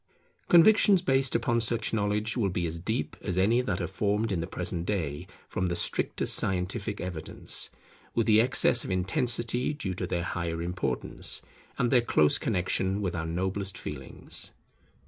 Convictions based upon such knowledge will be as deep as any that are formed in the present day from the strictest scientific evidence, with the excess of intensity due to their higher importance and their close connexion with our noblest feelings.